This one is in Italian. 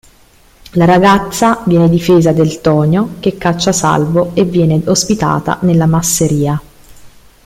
La ragazza viene difesa del Tonio che caccia Salvo e viene ospitata nella masseria.